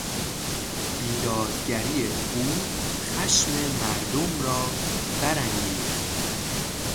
بیدادگری او خشم مردم را برانگیخت.